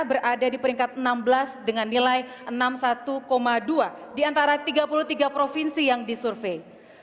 berada di peringkat enam belas dengan nilai enam satu dua diantara tiga puluh tiga provinsi yang disurvei